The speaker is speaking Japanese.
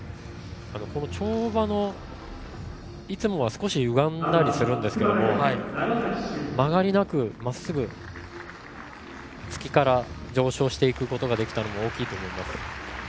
跳馬は、いつもは少しはゆがんだりするんですけど曲がりなくまっすぐ、つきから上昇していくことができたのが大きいと思います。